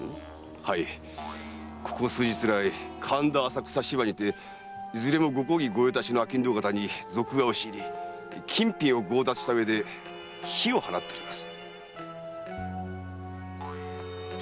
はいここ数日来神田・浅草・芝にていずれもご公儀御用達の商人方に賊が押し入り金品を強奪したうえで火を放っております。